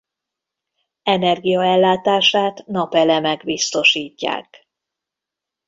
Energiaellátását napelemek biztosítják.